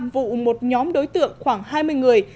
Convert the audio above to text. vụ một nhóm đối tượng khoảng hai mươi người